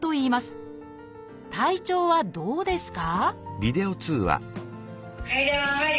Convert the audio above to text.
体調はどうですか？